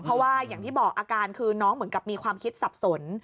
เพราะว่าอย่างที่บอกอาการคือน้องเหมือนกับมีความคิดสับสน